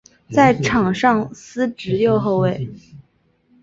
在场上司职右后卫。